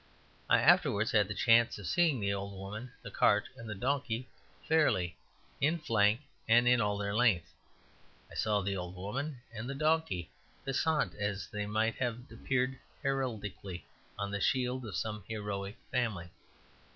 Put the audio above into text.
I afterwards had the chance of seeing the old woman, the cart, and the donkey fairly, in flank and in all their length. I saw the old woman and the donkey PASSANT, as they might have appeared heraldically on the shield of some heroic family.